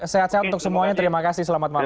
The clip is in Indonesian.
sehat sehat untuk semuanya terima kasih selamat malam